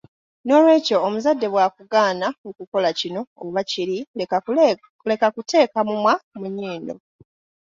N'olwekyo omuzadde bw'akugaana okukola kino oba kiri leka kuteeka mumwa mu nnyindo.